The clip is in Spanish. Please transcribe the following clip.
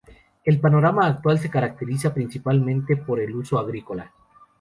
El panorama actual se caracteriza principalmente por el uso agrícola.